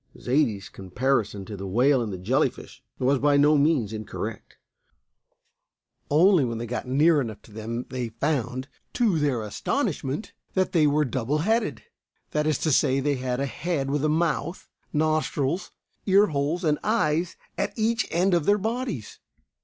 Zaidie's comparison to the whale and the jelly fish was by no means incorrect; only when they got near enough to them they found, to their astonishment, that they were double headed that is to say, they had a head with a mouth, nostrils, ear holes, and eyes at each end of their bodies.